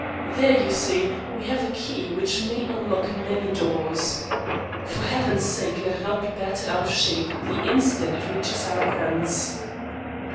There, you see, we have a key which may unlock many doors. For Heaven's sake let it not be battered out of shape the instant it reaches our hands."